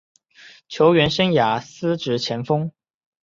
球员生涯司职前锋。